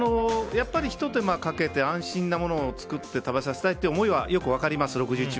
やっぱり、ひと手間かけて安心なものを作って食べさせたいという思いはよく分かります、６１％。